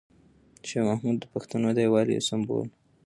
شاه محمود د پښتنو د یووالي یو سمبول و.